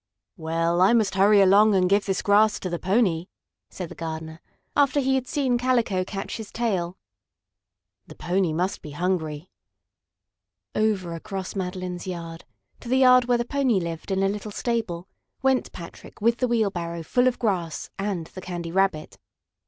"Well, I must hurry along and give this grass to the pony," said the gardener, after he had seen Calico catch his tail. "The pony must be hungry." Over across Madeline's yard, to the yard where the pony lived in a little stable, went Patrick with the wheelbarrow full of grass and the Candy Rabbit.